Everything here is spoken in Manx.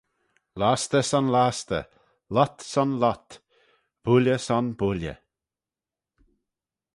Lostey son lostey, lhott, son lhott, builley son builley.